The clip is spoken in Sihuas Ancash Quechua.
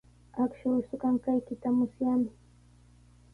Akshuu suqanqaykita musyaami.